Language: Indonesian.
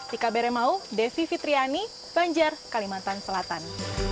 sika bere mau devi fitriani banjar kalimantan selatan